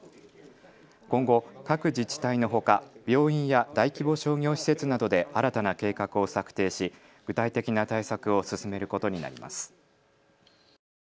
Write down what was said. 今後、各自治体のほか病院や大規模商業施設などで新たな計画を策定し具体的な対策を進めることになります。